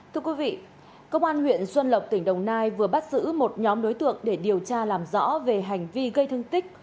thưa quý vị công an huyện xuân lộc tỉnh đồng nai vừa bắt giữ một nhóm đối tượng để điều tra làm rõ về hành vi gây thương tích